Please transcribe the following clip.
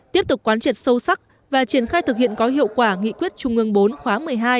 tiếp tục quán triệt sâu sắc và triển khai thực hiện có hiệu quả nghị quyết trung ương bốn khóa một mươi hai